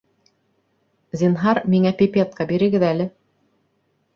Зинһар, миңә пипетка бирегеҙ әле